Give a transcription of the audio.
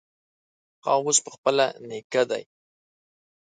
هغه اوس پخپله هغه نیکه دی.